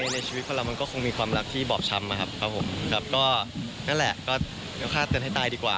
ในชีวิตของเราคงมีความรักที่บอบช้ำมาครับเข้าคาดเตือนให้ตายดีกว่า